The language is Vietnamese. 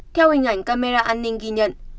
theo hình ảnh camera an ninh ghi nhận